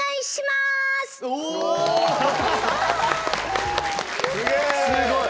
すごい。